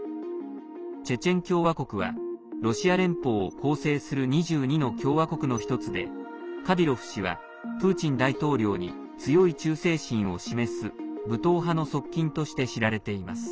チェチェン共和国はロシア連邦を構成する２２の共和国の１つでカディロフ氏はプーチン大統領に強い忠誠心を示す武闘派の側近として知られています。